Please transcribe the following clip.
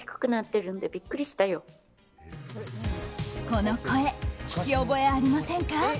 この声聞き覚えありませんか？